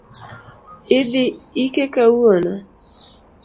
Idhii ike kawuono